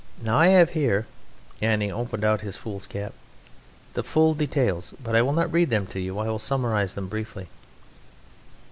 Now I have here" (and he opened out his foolscap) "the full details. But I will not read them to you; I will summarize them briefly."